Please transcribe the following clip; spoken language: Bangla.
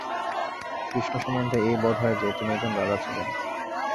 কৃষ্ণ সম্বন্ধে এই বোধ হয় যে, তিনি একজন রাজা ছিলেন।